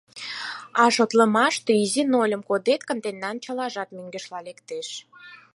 А шотлымаште изи нольым кодет гын, тендан чылажат мӧҥгешла лектеш.